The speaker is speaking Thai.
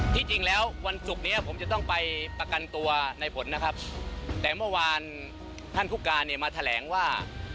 ที่จริงแล้ววันศุกร์นี้ผมจะต้องไปประกันตัวในผลนะครับแต่เมื่อวานท่านผู้การเนี่ยมาแถลงว่า